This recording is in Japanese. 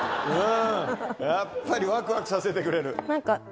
やっぱりワクワクさせてくれる。